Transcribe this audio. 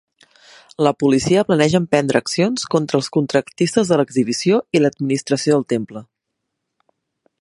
La policia planeja emprendre accions contra els contractistes de l'exhibició i l'administració del temple.